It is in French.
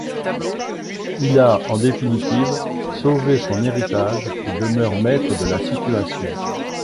Il a en définitive sauvé son héritage et demeure maître de la situation.